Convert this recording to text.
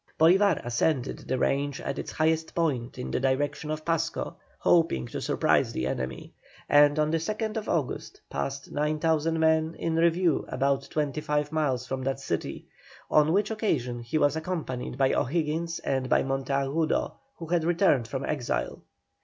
Bolívar ascended the range at its highest point in the direction of Pasco, hoping to surprise the enemy, and on the 2nd August passed 9,000 men in review about twenty five miles from that city, on which occasion he was accompanied by O'Higgins and by Monteagudo, who had returned from exile.